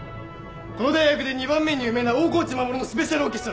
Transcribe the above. この大学で２番目に有名な大河内守のスペシャルオーケストラ。